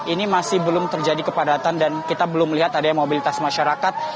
ini masih belum terjadi kepadatan dan kita belum melihat adanya mobilitas masyarakat